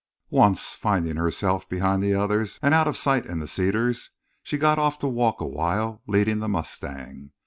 Once, finding herself behind the others and out of sight in the cedars, she got off to walk awhile, leading the mustang.